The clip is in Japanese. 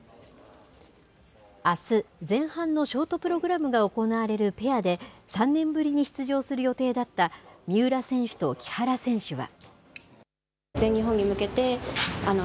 あす、前半のショートプログラムが行われるペアで、３年ぶりに出場する予定だった、三浦選手と木原選手は。